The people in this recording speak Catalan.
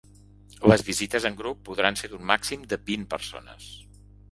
Les visites en grup podran ser d’un màxim de vint persones.